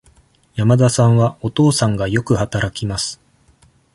山田さんは、お父さんがよく働きます。